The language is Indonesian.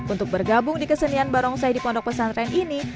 untuk bergabung di kesenian barongsai di pondok pesantren ini